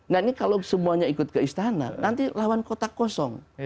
nah ini kalau semuanya ikut ke istana nanti lawan kota kosong